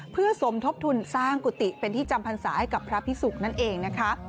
เพื่อสมทบทุนสร้างกุฏิเป็นที่จำพรรษาให้กับพระพิสุกนั่นเองนะคะ